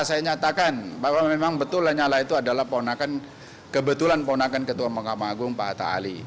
saya menyatakan bahwa memang betulnya nyala itu adalah kebetulan ponakan ketua mahkamah agung pak atta ali